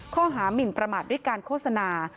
หมินประมาทด้วยการโฆษณา